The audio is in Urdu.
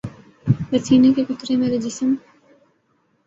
پسینے کے قطرے میرے جسم